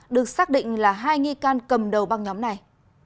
được xác định là hai nghi can cầm đầu băng nhóm này